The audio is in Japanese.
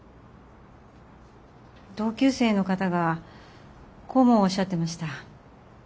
同級生の方がこうもおっしゃってました。